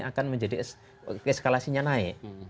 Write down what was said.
akan menjadi eskalasinya naik